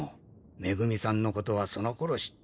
恵さんのことはそのころ知ったんじゃ。